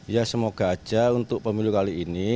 ya semoga aja untuk pemilu kali ini